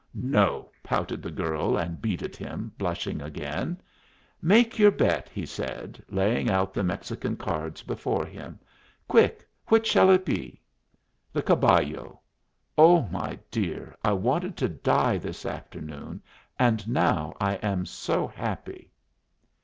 "No," pouted the girl, and beat at him, blushing again. "Make your bet!" he said, laying out the Mexican cards before him. "Quick! Which shall it be?" "The caballo. Oh, my dear, I wanted to die this afternoon, and now I am so happy!"